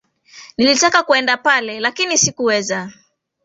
Nilitaka kuenda pale, lakini sikuweza.